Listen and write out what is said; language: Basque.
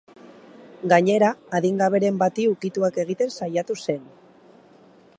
Gainera, adingaberen bati ukituak egiten saiatu zen.